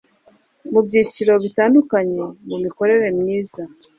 mu byiciro bitandukanye mu mikorere myiza